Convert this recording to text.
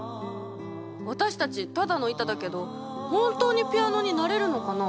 私たちただの板だけど本当にピアノになれるのかな？